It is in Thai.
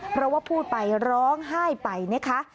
เพราะว่าพูดไปร้องไห้ไปนะคะ